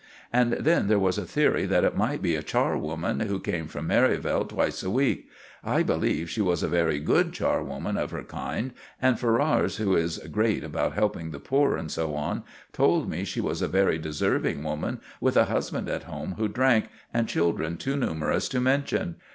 And then there was a theory that it might be a charwoman who came from Merivale twice a week. I believe she was a very good charwoman of her kind, and Ferrars, who is great about helping the poor and so on, told me she was a very deserving woman with a husband at home who drank, and children too numerous to mention.